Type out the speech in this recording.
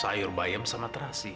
sayur bayam sama teras